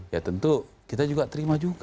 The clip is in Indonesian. ya tentu kita juga terima juga